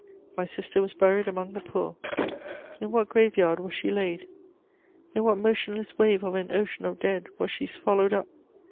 My sister was buried among the poor: in what grave yard was she laid? In what motionless wave of an ocean of dead was she swallowed up?